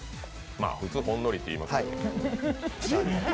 普通、ほんのりって言いますけど。